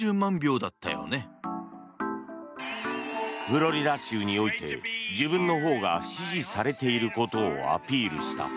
フロリダ州において自分のほうが支持されていることをアピールした。